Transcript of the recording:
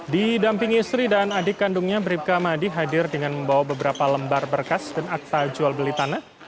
didampingi istri dan adik kandungnya bribka madi hadir dengan membawa beberapa lembar berkas dan akta jual beli tanah